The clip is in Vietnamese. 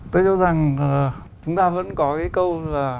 tôi cho rằng chúng ta vẫn có cái câu là